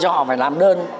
chúng ta phải làm đơn